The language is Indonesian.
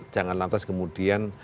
jangan lantas kemudian